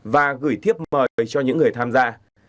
và gửi thiếp mời cho những người tham gia